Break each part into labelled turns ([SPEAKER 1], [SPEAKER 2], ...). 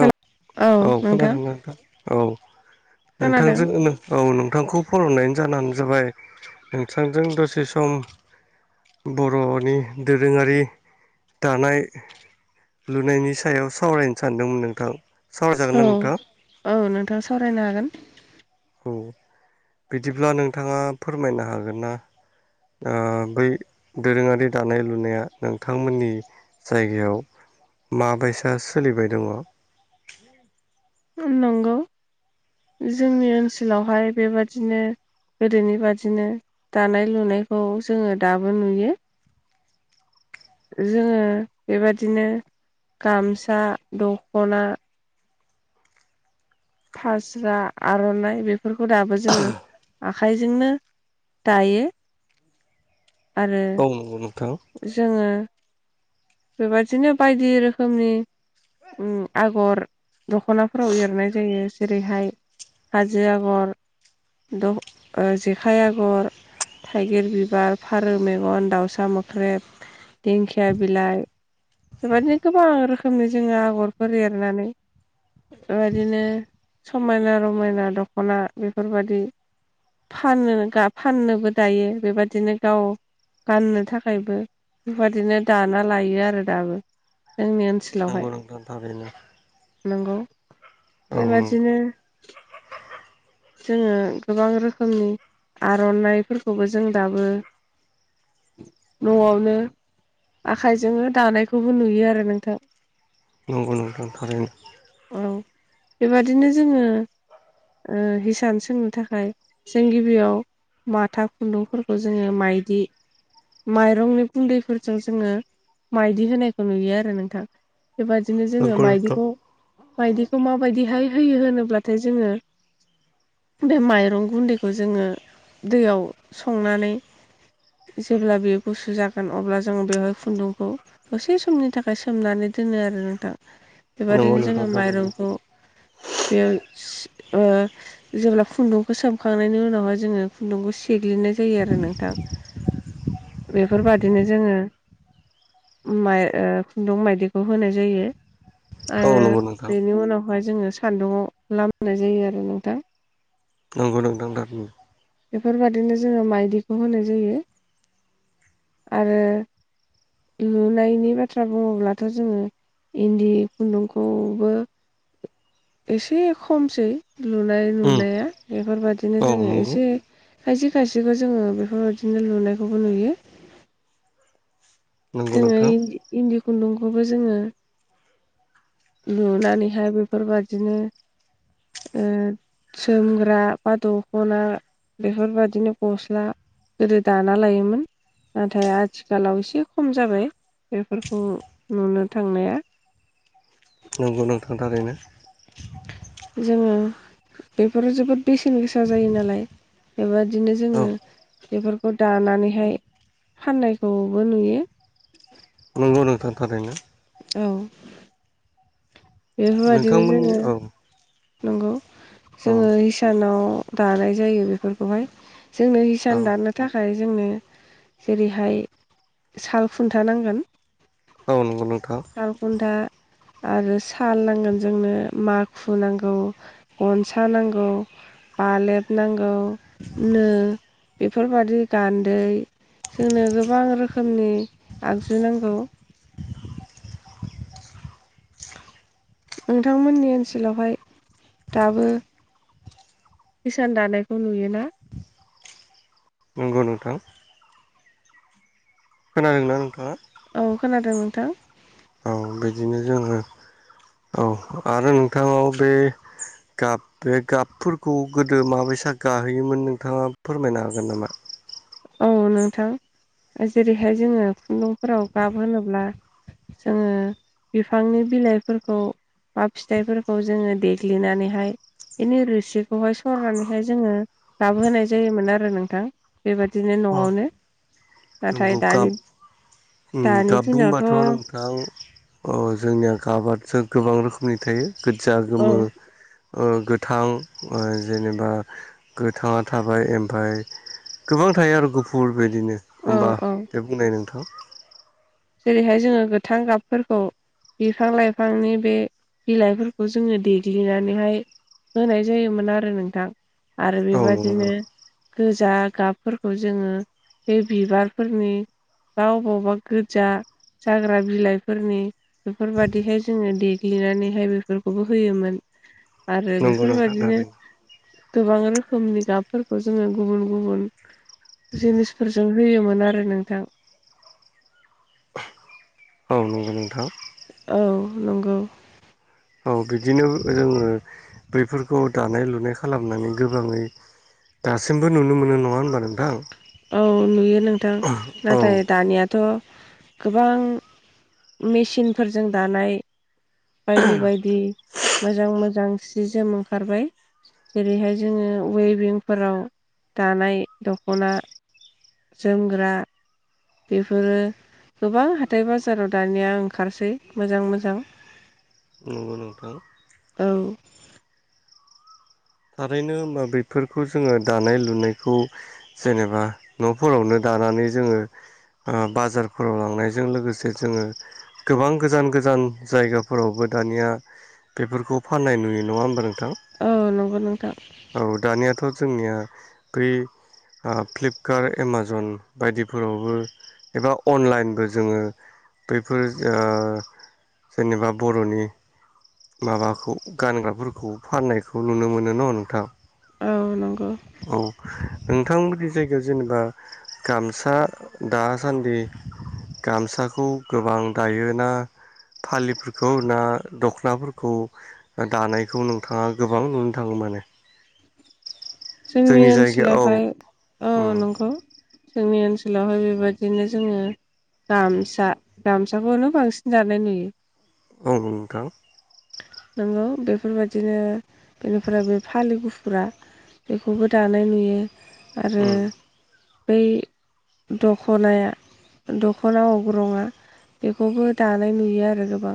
[SPEAKER 1] हेल'
[SPEAKER 2] औ खोनादोना नोंथां औ
[SPEAKER 1] खोनादों
[SPEAKER 2] नोंथांजों औ नोंथांखौ फन हरनायनि जाहोनानो जाबाय नोंथांजों दसे सम बर'नि दोरोङारि दानाय लुनायनि सायाव सावरायनो सानदोंमोन नोंथां सावरायजागोन
[SPEAKER 1] औ
[SPEAKER 2] ना नोंथां
[SPEAKER 1] औ नोंथाङा सावरायनो हागोन
[SPEAKER 2] औ बिदिब्ला नोंथाङा फोरमायनो हागोन ना बै दोरोङारि दानाय लुनाया नोंथांमोननि जायगायाव माबाय दि सोलिबाय दङ
[SPEAKER 1] नंगौ जोंनि ओनसोलावहाय बेबादिनो गोदोनि बादिनो दानाय लुनायखौ जोङो दाबो नुयो जोङो बेबादिनो गामसा दखना फास्रा आरनाइ बेफोरखौ दाबो जोङो आखाइजोंनो दायो आरो
[SPEAKER 2] औ नंगौ नोंथां
[SPEAKER 1] जोङो बेबायदिनो बायदि रोखोमनि आगर दखनाफोराव एरनाय जायो जेरैहाय हाजो आगर जेखाइ आगर थाइगिर बिबार फारौ मेगन दाउसा मोख्रेब दिंखिया बिलाइ बेबदिनो गोबां रोखोमनि जोङो आगरफोर एरनानै बेबायदिनो समायना रमायना दखना बेफोरबायदि फानो फाननोबो दायो बेबादिनो गाव गाननो थाखायबो बेबदिनो दाना लायो आरो दाबो जोंनि ओनसोलावहाय
[SPEAKER 2] नंगौ नोंथां थारैनो
[SPEAKER 1] नंगौ
[SPEAKER 2] औ नंगौ
[SPEAKER 1] बेबादिनो जोङो गोबां रोखोमनि आरनाइफोरखौबो जों दाबो नआवनो आखाइजोंनो दानायखौबो नुयो आरो नोंथां
[SPEAKER 2] नंगौ नंगौफोर
[SPEAKER 1] औ बेबादिनो जोङो हिसान सोंनो थाखाय जों गिबियाव माथा खुन्दुंफोरखौ जोङो माइदि माइरंनि गुन्दैफोरजों जोङो माइदि होनायखौ नुयो आरो नोंथां बेबदिनो जोङो
[SPEAKER 2] नंगौ नोंथां
[SPEAKER 1] माइदिखौ माइदिखौ माबायदिहाय होयो होनोब्लाथाय जोङो
[SPEAKER 2] [inaudible]
[SPEAKER 1] बे माइरं गुन्दैखौ जोङो दैयाव संनानै जेब्ला बेयो गुसु जागोन अब्ला जोंङो बेवहाय खुन्दुंखौ दसे समनि थाखाय सोमनानै दोनो आरो नोंथां
[SPEAKER 2] नंगौ
[SPEAKER 1] बेबदिनो
[SPEAKER 2] नोंथां
[SPEAKER 1] जोङो
[SPEAKER 2] थारैनो
[SPEAKER 1] माइरंखौ बेयाव जेब्ला खुन्दुंखौ सोमखांनायनि उनावहाय जोङो खुन्दुंखौ सेग्लिनाय जायो आरो नोंथां
[SPEAKER 2] [inaudible]
[SPEAKER 1] बेफोरबादिनो जोङो माइ खुन्दुं मायदिखौ होनाय जायो
[SPEAKER 2] औ
[SPEAKER 1] आरो
[SPEAKER 2] नंगौ नोंथां
[SPEAKER 1] बेनि उनावहाय जोङो सान्दुंङाव लाम होननाय जायो आरो नोंथां
[SPEAKER 2] नंगौ नोंथां थारैनो
[SPEAKER 1] बेफोरबादिनो जोङो माइदिखौ होनाय जायो आरो लुनायनि बाथ्रा बुङोब्लाथ' जोङो इन्दि खुन्दुंखौबो एसे खमसै लुनाय
[SPEAKER 2] उम
[SPEAKER 1] नुनाया
[SPEAKER 2] औ
[SPEAKER 1] बेफोरबायादिनो जोङो
[SPEAKER 2] नंगौ
[SPEAKER 1] एसे खायसे खायसेखौ जोङो बेफोरबायदिनो नुनायखौबो नुयो
[SPEAKER 2] नंगौ
[SPEAKER 1] जोङो
[SPEAKER 2] नोंथां
[SPEAKER 1] इन्दि खुन्दुंखौबो जोङो लुनानैहाय बेफोरबाददिनो जोमग्रा बा दखना बेफोरबायदिनो गस्ला गोदो दाना लायोमोन नाथाय आथिखालाव एसे खम जाबाय बेफोरखौ नुनो थांनाया
[SPEAKER 2] नंगौ नंथांथारैनो
[SPEAKER 1] जोङो बेफोरो जोबोद बेसेन गोसा जायो नालाय बेबादिनो
[SPEAKER 2] औ
[SPEAKER 1] जोङो बेफोरखौ दानानैहाय फाननायखौबो नुयो
[SPEAKER 2] नंगौ नंथारथारैनो
[SPEAKER 1] औ बेफोरबायदिनो
[SPEAKER 2] नोंथांमोननि
[SPEAKER 1] जोङो
[SPEAKER 2] औ
[SPEAKER 1] नंगौ
[SPEAKER 2] औ
[SPEAKER 1] जोङो हिसानाव दानाय जायो बेफोरखौहाय जोंनो
[SPEAKER 2] औ
[SPEAKER 1] हिसान दानो थाखाय जोंनो जेरैहाय साल खुन्था नांगोन
[SPEAKER 2] औ नंगौ नोंथां
[SPEAKER 1] साल खुन्था
[SPEAKER 2] [inaudible]
[SPEAKER 1] आरो साल नांगोन जोंनो माखु नांगौ गनसा नांगौ बालेब नांगौ नो बेफोरबादि गान्दै जोंनो गोबां रोखोमनि आगजु नांगौ नोंथांमोननि ओनसोलावहाय दाबो हिसान दानायखौ नुयोना
[SPEAKER 2] नंगौ नोंथां खोनादोंना नोंथाङा
[SPEAKER 1] औ खोनादों नोंथां
[SPEAKER 2] औ बिदिनो जोङो औ आरो नोंथांनाव बे गाब बे गाबफोरखौ गोदो माबैसा गाहोयोमोन नोंथाङा फोरमायनो हागोन नामा
[SPEAKER 1] औ नोंथां जेरैहाय जोङो खुन्दुंफोराव गाब होनोब्ला जोङो बिफांनि बिलाइफोरखौ बा फिथाइफोरखौ जोङो देग्लिनानैहाय इनि रोसिखौहाय सरनानैहाय जोङो लाबोहोनाय जायोमोन आरो नोंथां बेबादिनो न'आवनो नाथाय
[SPEAKER 2] नं
[SPEAKER 1] दानि
[SPEAKER 2] गाब ओम
[SPEAKER 1] दानि
[SPEAKER 2] गाब
[SPEAKER 1] दिनावथ'
[SPEAKER 2] बुंबाथ'
[SPEAKER 1] औ
[SPEAKER 2] नोंथां अ जोंनिया गाबा गोबां रोखोमनि थायो गोजा गोमो
[SPEAKER 1] औ
[SPEAKER 2] गोथां जेनेबा गोथाङा थाबाय ओमफाय गोबां थायो आरो गुफुर बेदिनो एखमबा
[SPEAKER 1] औ
[SPEAKER 2] नै नोंथां
[SPEAKER 1] जेरैहाय जोङो गोथां गाबफोरखौ बिफां लाइफांनि बे बिलाइफोरखौ जोङो देग्लिनानैहाय होनाय जायोमोन आरो नोंथां आरो
[SPEAKER 2] औ नंगौ
[SPEAKER 1] बेबादिनो गोजा गाबफोरखौ जोङो बे बिबारफोरनि बा अबावबा गो जा जाग्रा बिलाइफोरनि बेफोरबादिहाय जोङो देग्लिनानैहाय बेफोरखौबो होयोमोन।
[SPEAKER 2] [inaudible]
[SPEAKER 1] आरो
[SPEAKER 2] नंगौ नोंथां
[SPEAKER 1] बेफोरबायदिनो
[SPEAKER 2] थारैनो
[SPEAKER 1] गोबां रोखोमनि गाबफोरखौ जोङो गुबुन गुबुन जिनिसफोर जों होयोमोन आरो नोंथां।
[SPEAKER 2] औ नंगौ नोंथां
[SPEAKER 1] औ नंगौ
[SPEAKER 2] औ बिदिनो जोङो बैफोरखौ दानाय लुनाय खालामनानै गोबाङै दासिमबो नुनो मोनो नङा होनबा नोंथां।
[SPEAKER 1] औ नुयो नोंथां
[SPEAKER 2] औ
[SPEAKER 1] नाथाय दानियाथ' थ' गोबां मेसिनफोरजों दानाय बायदि बायदि मोजां मोजां सि जोम ओंखारबाय। जेरैहाय जोङो वेभिंफोराव दानाय दख'ना जोमग्रा बेफोरो गोबां हाथाय बाजाराव दानिया ओंखारसै मोजां मोजां
[SPEAKER 2] नंगौ नोंथां
[SPEAKER 1] औ
[SPEAKER 2] थारैनो होमबा बेफोरखौ जोङो दानाय लुनायखौ जेनेबा न'फोरावनो दा नानै जोङो बाजारफोराव लांनायजों लोगोसे जोङो गोबां गोजान गोजान जायगाफोरावबो दानिया बेफोरखौ फाननाय नुयो नङा होमबा नों थां
[SPEAKER 1] औ नंगौ नोंथां
[SPEAKER 2] औ दानियाथ' जोंनिया बै फ्लिपकार्ट एमाजन बायदिफोरावबो एबा अनलाइनबो जोङो बैफोर ओ जेनेबा बर'नि माबाखौ गानग्राफोरखौ फाननायखौ नुनो मोनो। न नोंथां
[SPEAKER 1] औ नंगौ
[SPEAKER 2] औ नोंथांमोननि जायगायाव जेनेबा गामसा दासान्दि गामसाखौ गोबां दायोना? फालिफोरखौ ना दख'नाफोरखौ दानायखौ नोंथाङा गोबां नुनो। थाङो माने
[SPEAKER 1] जोंनि
[SPEAKER 2] जायगायाव औ
[SPEAKER 1] ओनसोलावहाय औ
[SPEAKER 2] उम
[SPEAKER 1] नंगौ जोंनि ओनसोलावहाय बेबायदिनो जोङो गामसा गामसाखौनो बांसिन दानाय नुयो।
[SPEAKER 2] औ नोंथां
[SPEAKER 1] नंगौ बेफोरबायदिनो बेनिफ्राय बे फालि गुफुरा बेखौबो दानाय नुयो आरो
[SPEAKER 2] उम
[SPEAKER 1] बै दखनाया दख'ना अग्रङा बेखौबो दानाय नुयो आरो गोबां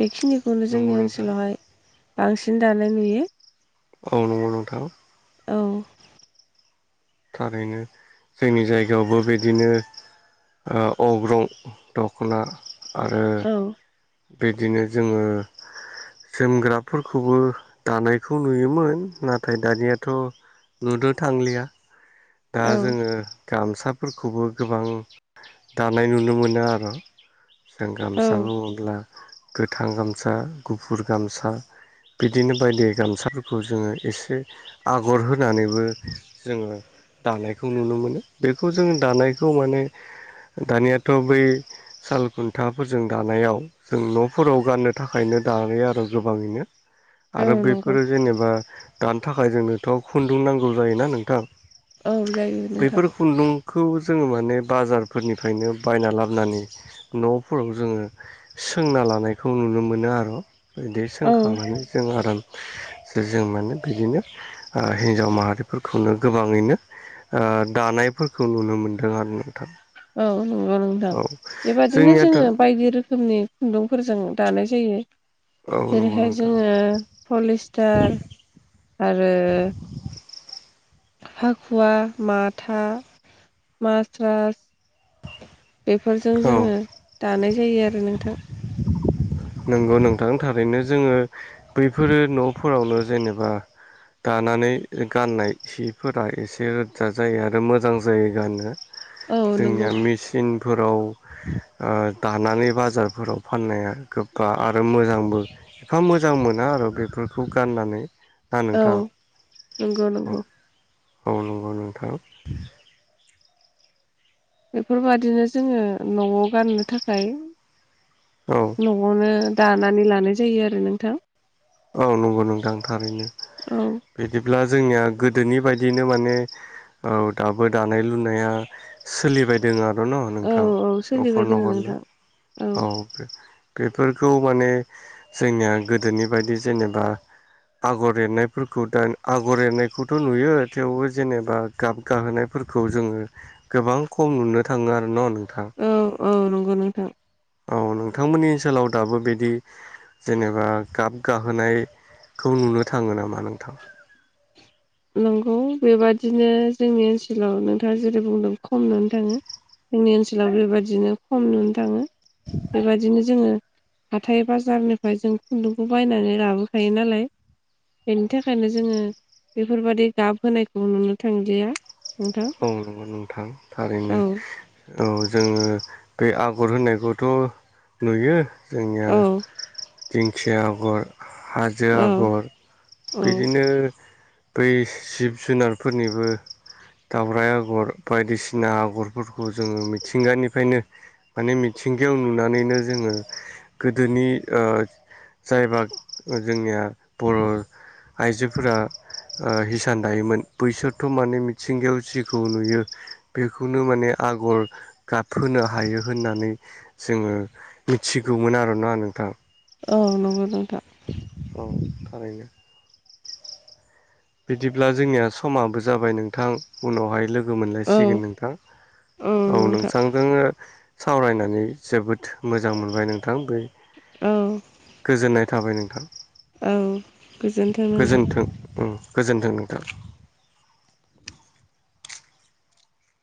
[SPEAKER 1] बेखिनिखौनो
[SPEAKER 2] नंगौ
[SPEAKER 1] जोंनि
[SPEAKER 2] नोंथां
[SPEAKER 1] ओनसोलावहाय बांसिन दानाय नुयो।
[SPEAKER 2] औ नंगौ नोंथां
[SPEAKER 1] औ
[SPEAKER 2] थारैनो जोंनि जायगायावबो बिदिनो अग्रं दख'ना आरो
[SPEAKER 1] औ
[SPEAKER 2] बिदिनो जोङो जोमग्राफोरखौबो दानायखौ नुयोमोन। नाथाय दानियाथ' नुनो थांलिया दा
[SPEAKER 1] औ
[SPEAKER 2] जोङो गामसाफोरखौबो गोबां दानाय नुनो मोनो आरो। जों
[SPEAKER 1] औ
[SPEAKER 2] गामसा बुङोब्ला गोथां गामसा गुफुर गामसा बिदिनो बायदि गामसाफोरखौ जोङो एसे आगर होनानैबो जोङो‌। दानायखौ नुनो मोनो बेखौ जों दानायखौ माने। दानियाथ' बै साल खुन्थाफोरजों दानायाव जों न'फोराव गाननो थाखायनो। दायो आरो गोबाङैनो।
[SPEAKER 1] औ
[SPEAKER 2] आरो
[SPEAKER 1] नंगौ
[SPEAKER 2] बैफोरो जेनेबा दानो थाखाय जोंनोथ' खुन्दुं नांगौ जायोना नोंथां।
[SPEAKER 1] औ जायो नोंथां।
[SPEAKER 2] खौ जोङो माने बाजारफोरनिफ्रायनो बायना लाबोनानै न'फोराव जोङो। सोंना लानायखौ नुनो मोनो आरो बिदि
[SPEAKER 1] औ
[SPEAKER 2] सोंखांनानै जों आराम। जों माने बिदिनो हिनजाव माहारिफोरखौनो गोबाङैनो। दानायफोरखौ नुनो मोनदों आरो नोंथां।
[SPEAKER 1] औ नंगौ नोंथां
[SPEAKER 2] औ
[SPEAKER 1] बेबादिनो
[SPEAKER 2] जोंनियाथ'
[SPEAKER 1] जोङो बायदि रोखोमनि खुन्दुं। फोरजों दानाय जायो
[SPEAKER 2] औ नंगौ
[SPEAKER 1] जेरैहाय
[SPEAKER 2] नोंथां
[SPEAKER 1] जोङो पलिस्टार आरो
[SPEAKER 2] [inaudible]
[SPEAKER 1] हाखुवा माथा मासरास बेफोरजों
[SPEAKER 2] औ
[SPEAKER 1] जोङो दानाय जायो आरो नोंथां।
[SPEAKER 2] नंगौ नोंथां थारैनो जोङो बैफोरो न'फोरावनो जेनेबा दानानै गाननाय सिफोरा एसे रोजा जायो आरो मोजां जायो गाननो
[SPEAKER 1] औ नंगौ
[SPEAKER 2] जोंनिया मेचिन फोराव दानानै बाजारफोराव फाननाया गोबा आरो मोजांबो एफा मोजां मोना आरो बेफोरखौ गाननानै। ना
[SPEAKER 1] औ
[SPEAKER 2] नोंथां
[SPEAKER 1] नंगौ
[SPEAKER 2] औ
[SPEAKER 1] नंगौ।
[SPEAKER 2] औ नंगौ नोंथां।
[SPEAKER 1] बेफोरबायादिनो जोंङो न'आव गाननो थाखाय।
[SPEAKER 2] औ
[SPEAKER 1] न'आवनो दानानै लानाय जायो आरो नोंथां।
[SPEAKER 2] औ नंगौ नंदां थारैनो
[SPEAKER 1] औ
[SPEAKER 2] बिदिब्ला। जोंनिया गोदोनि बायदिनो माने। औ दाबो दानाय लुनाया सोलिबायदों आरो। न
[SPEAKER 1] औ
[SPEAKER 2] नोंथां
[SPEAKER 1] औ
[SPEAKER 2] न'खर
[SPEAKER 1] सोलिबाय दोङो
[SPEAKER 2] न'खरनो
[SPEAKER 1] नोंथां औ
[SPEAKER 2] औे। बेफोरखौ माने जोंनिया गोदोनि बायदि जेनेबा आगर एरनायफोरखौ दा आगर एरनायखौथ' नुयो थेवबो जेनेबा गाब गाहोनायफोर। फोरखौ जोंङो गोबां खम नुनो थांङो आरो ना नोंथां
[SPEAKER 1] औ औ नंगौ नोंथां।
[SPEAKER 2] औ नोंथांमोननि ओनसोलाव दाबो बिदि जेनेबा गाब गाहोनाय खौ नुनो थांङो नामा नोंथां।
[SPEAKER 1] नंगौ बेबादिनो जोंनि ओनसोलाव नोंथांङो जेरै बुंदों खमनानै थांङो। जोंनि ओनसोलाव बेबायदिनो खम नुनो थांङो बेबदिनो जोंङो। हाथाय बाजारनिफ्राय जों खुन्दुंखौ बायनानै लाबोखायो नालाय बेनि थाखायनो जोंङो बेफोरबादि गाब होनायखौ नुनो थांलिया नोंथां
[SPEAKER 2] औ नौ नोंथां
[SPEAKER 1] औ
[SPEAKER 2] थारैनो औ जोंङो। बे आगर होननायखौथ' नुयो जोंनिया
[SPEAKER 1] औ
[SPEAKER 2] दिंखिया आगर हाजो
[SPEAKER 1] औ
[SPEAKER 2] आगर
[SPEAKER 1] औ
[SPEAKER 2] बिदिनो बै जिब जुनारफोरनिबो। दावरराय आग'र बायदिसिना आगरफोरखौ जोंङो मिथिंगानिफ्रायनो माने मिथिंगायाव। नुनानैनो जोंङो गोदोनि जायबा जोंनिया बर' आइजोफोरा हिसान दायोमोन बैसोरथ' माने मिथिंगायाव जिखौ नुयो बेखौनो माने आगर गाबहोनो हायो होननानै जोंङो मिथिगौमोन आरोना नोंथां
[SPEAKER 1] औ नंगौ नंगौ नोंथां
[SPEAKER 2] औ थारैनो बिदिब्ला जोंनिया समाबो जाबाय नोंथां उनावहाय लोगो लोगो
[SPEAKER 1] औ
[SPEAKER 2] मोनलायसिगोन नोंथां औ नोंथांजों सावरायनानै जोबोद मोजां मोनबाय नोंथां बे
[SPEAKER 1] औ
[SPEAKER 2] गोजोननाय थाबाय नोंथां
[SPEAKER 1] औ गोजोनथों नोंथां
[SPEAKER 2] गोजोन्थों गोजोन्थों नोंथां